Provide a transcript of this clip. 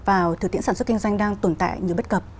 vào thực tiễn sản xuất kinh doanh đang tồn tại nhiều bất cập